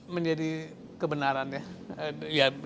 menjadi kebenaran ya